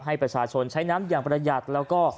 ให้ประชาชนใช้น้ำอย่างประหยัดแล้วก็